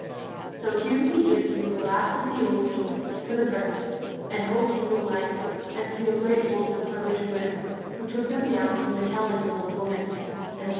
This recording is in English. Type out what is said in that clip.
So here we give you the last of the old stories, for the present, and hope you will like them, and feel grateful to the Brothers Grimm, who took them down from the telling of old women, and to M.